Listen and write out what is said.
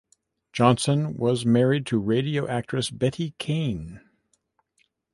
Johnson was married to radio actress Betty Caine.